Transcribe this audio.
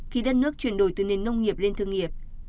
khi đất nước chuyển đổi từ nền nông nghiệp lên thương nghiệp